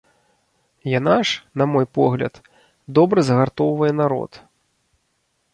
Яна ж, на мой погляд, добра загартоўвае народ.